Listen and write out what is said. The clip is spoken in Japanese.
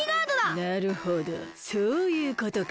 なるほどそういうことか。